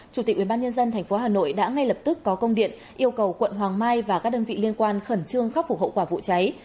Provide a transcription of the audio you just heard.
chủ tịch ubnd tp hà nội đã ngay lập tức có công điện yêu cầu quận hoàng mai và các đơn vị liên quan khẩn trương khắc phục hậu quả vụ cháy